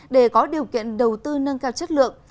để có điều kiện đầu tư nâng cao chất lượng